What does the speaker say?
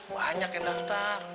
banyak yang daftar